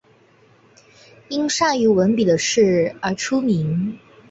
因善于文笔的事而出名。